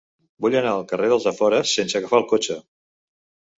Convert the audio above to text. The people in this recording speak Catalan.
Vull anar al carrer dels Afores sense agafar el cotxe.